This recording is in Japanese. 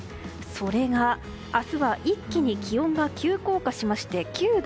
それが明日は一気に気温が急降下しまして９度。